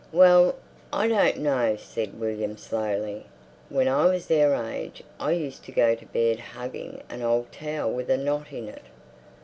"Well, I don't know," said William slowly. "When I was their age I used to go to bed hugging an old towel with a knot in it."